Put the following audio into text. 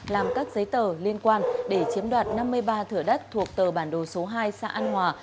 làm các giấy tờ liên quan để chiếm đoạt năm mươi ba thửa đất thuộc tờ bản đồ số hai xã an hòa